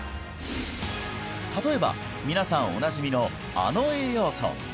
例えば皆さんおなじみのあの栄養素